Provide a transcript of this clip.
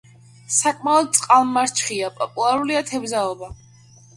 საკმაოდ წყალმარჩხია, პოპულარულია თევზაობა.